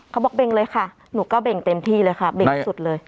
บอกเบ่งเลยค่ะหนูก็เบ่งเต็มที่เลยค่ะเบ่งสุดเลย